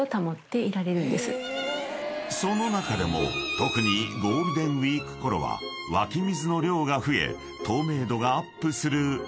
［その中でも特にゴールデンウイークころは湧き水の量が増え透明度がアップするベストシーズン］